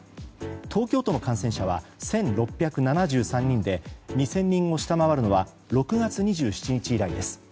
東京都の感染者は１６７３人で２０００人を下回るのは６月２７日以来です。